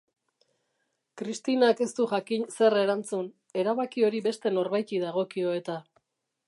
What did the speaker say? Kristinak ez du jakin zer erantzun, erabaki hori beste norbaiti dagokio eta.